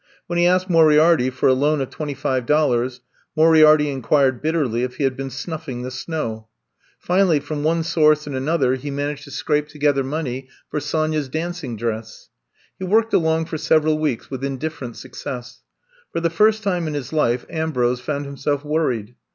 When he asked Moriarity for a loan of twenty five dollars, Moriarity inquired bitterly if he had been snuflSng the snow. Finally, from one source and another he managed to scrape 124 I'VE COME TO STAY 125 together money for Sonya 's dancing dress. He worked along for several weeks with indifferent success. Far the first time in his life Ambrose found himself worried.